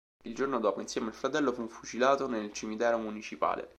Il giorno dopo, insieme al fratello, fu fucilato nel cimitero municipale.